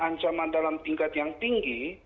ancaman dalam tingkat yang tinggi